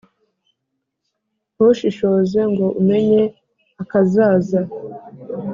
ntushishoze ngo umenye akazaza.